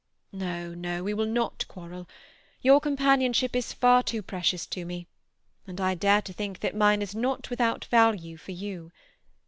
No, no; we will not quarrel. Your companionship is far too precious to me, and I dare to think that mine is not without value for you.